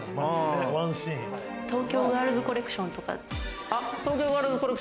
東京ガールズコレクションとか。